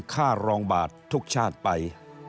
ค่ารองบาททุกชาติไป